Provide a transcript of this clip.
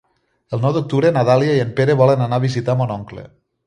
El nou d'octubre na Dàlia i en Pere volen anar a visitar mon oncle.